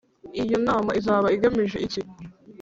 Iyo nama izaba igamije iki